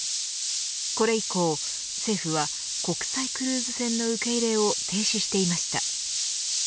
これ以降、政府は国際クルーズ船の受け入れを停止していました。